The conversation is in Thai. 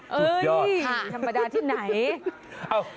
สุดยอดชัมประดาษที่ไหน